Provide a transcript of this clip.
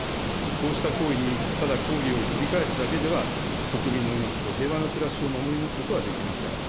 こうした行為に、ただ抗議を繰り返すだけでは、国民の命と平和な暮らしを守り抜くことはできません。